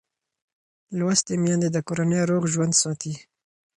لوستې میندې د کورنۍ روغ ژوند ساتي.